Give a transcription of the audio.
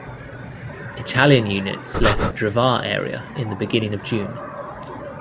Italian units left Drvar area in the beginning of June.